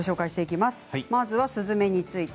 まずはスズメについて。